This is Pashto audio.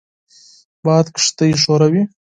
باد کښتۍ ښوروي